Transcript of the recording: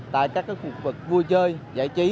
tại các khu vực vui chơi giải trí